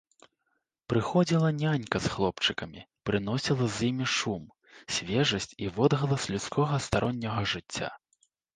Прыходзіла нянька з хлопчыкамі, прыносіла з імі шум, свежасць і водгалас людскога старонняга жыцця.